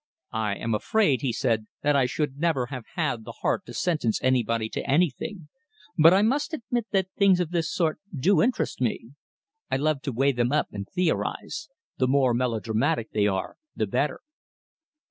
"I am afraid," he said, "that I should never have had the heart to sentence anybody to anything, but I must admit that things of this sort do interest me. I love to weigh them up and theorize. The more melodramatic they are the better."